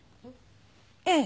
ええ。